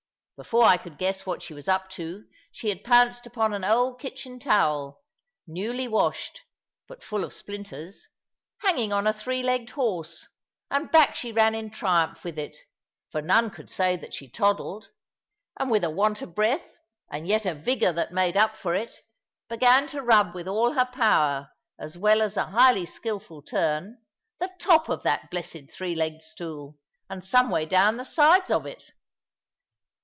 Before I could guess what she was up to, she had pounced upon an old kitchen towel, newly washed, but full of splinters, hanging on a three legged horse, and back she ran in triumph with it for none could say that she toddled and with a want of breath, and yet a vigour that made up for it, began to rub with all her power, as well as a highly skilful turn, the top of that blessed three legged stool, and some way down the sides of it.